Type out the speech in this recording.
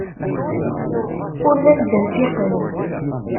Ur d as-d-nfiqen.